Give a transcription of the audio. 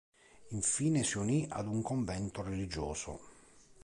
Infine si unì ad un convento religioso.